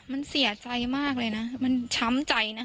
มันเสียใจมากเลยนะมันช้ำใจนะ